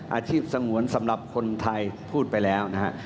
สงวนสำหรับคนไทยพูดไปแล้วนะฮะ